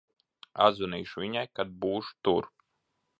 Atzvanīšu viņai, kad būšu tur.